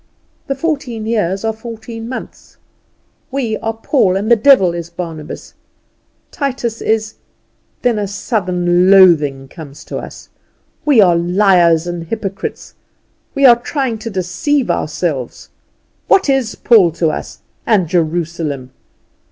The fourteen years are fourteen months; we are Paul and the devil is Barnabas, Titus is Then a sudden loathing comes to us: we are liars and hypocrites, we are trying to deceive ourselves. What is Paul to us and Jerusalem?